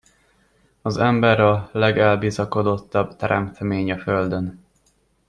Az ember a legelbizakodottabb teremtmény a földön!